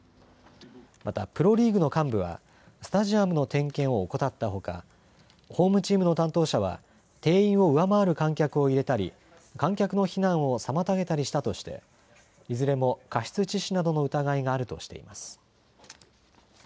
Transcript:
またプロリーグの幹部はスタジアムの点検を怠ったほかホームチームの担当者は定員を上回る観客を入れたり観客の避難を妨げたりしたとしていずれも過失致死などの疑いがあるとしています。